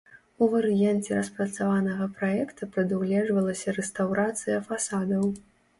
У варыянце распрацаванага праекта прадугледжвалася рэстаўрацыя фасадаў.